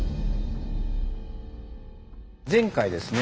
前回ですね